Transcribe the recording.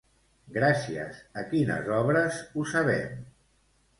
Gràcies a quines obres ho sabem?